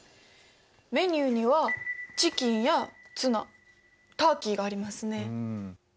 メニューにはチキンやツナターキーがありますね。